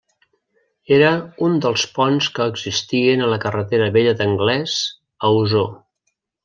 Era un dels ponts que existien a la carretera vella d'Anglés a Osor.